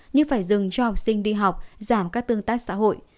như phải dừng cho học sinh đi học giảm các tương tác xã hội